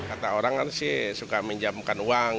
kata orang kan sih suka minjamkan uang